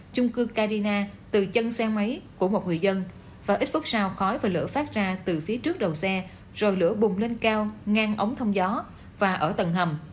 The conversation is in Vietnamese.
chung cư carina từ chân xe máy của một người dân và ít phút sau khói và lửa phát ra từ phía trước đầu xe rồi lửa bùng lên cao ngang ống thông gió và ở tầng hầm